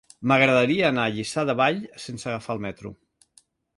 M'agradaria anar a Lliçà de Vall sense agafar el metro.